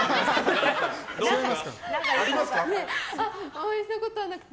お会いしたことはなくて。